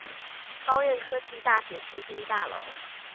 高苑科技大學視聽大樓